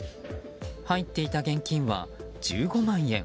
入っていた現金は１５万円。